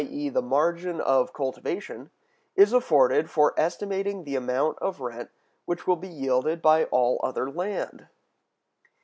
e., the "margin of cultivation"] is afforded for estimating the amount of rent which will be yielded by all other land.